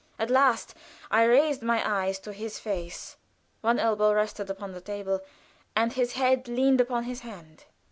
At last I raised my eyes to his face; one elbow rested upon the table, and his head leaned upon his hand.